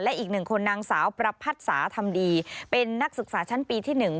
และอีกหนึ่งคนนางสาวประพัดศาสน์ธรรมดีเป็นนักศึกษาชั้นปีที่หนึ่ง